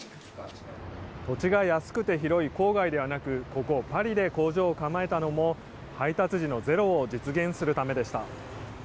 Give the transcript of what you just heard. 土地が安くて広い郊外ではなくここ、パリで工場を構えたのも配達時のゼロを実現するためでした。